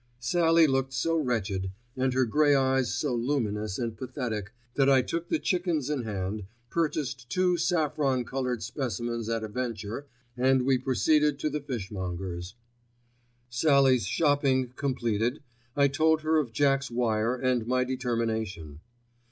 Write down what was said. Sallie looked so wretched, and her grey eyes so luminous and pathetic, that I took the chickens in hand, purchased two saffron coloured specimens at a venture, and we proceeded to the fishmonger's. Sallie's shopping completed, I told her of Jack's wire and my determination.